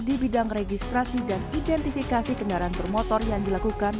di bidang registrasi dan identifikasi kendaraan bermotor yang dilakukan